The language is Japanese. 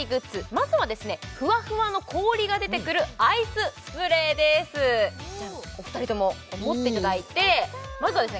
まずはフワフワの氷が出てくるアイススプレーですじゃお二人とも持っていただいてやったまずはですね